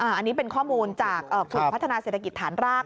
อันนี้เป็นข้อมูลจากกลุ่มพัฒนาเศรษฐกิจฐานราก